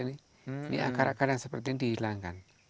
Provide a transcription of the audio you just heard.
ini akar akar yang seperti ini dihilangkan